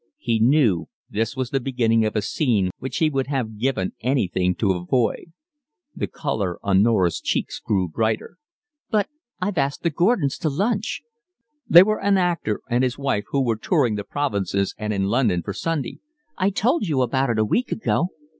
He knew this was the beginning of a scene which he would have given anything to avoid. The colour on Norah's cheeks grew brighter. "But I've asked the Gordons to lunch"—they were an actor and his wife who were touring the provinces and in London for Sunday—"I told you about it a week ago."